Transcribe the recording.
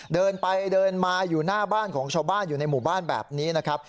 เดินไปเดินมาอยู่หน้าบ้านของชาวบ้านอยู่ในหมู่บ้านแบบนี้นะครับ